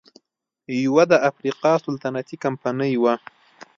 یوه د افریقا سلطنتي کمپنۍ وه.